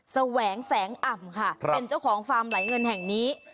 แสวงแสงอ่ำค่ะเป็นเจ้าของฟาร์มไหลเงินแห่งนี้